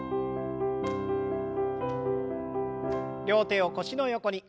両手を腰の横に。